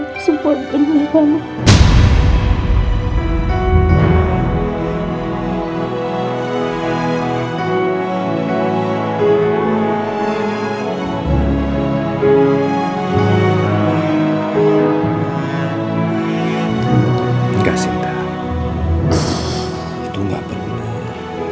aku tau ini gak bener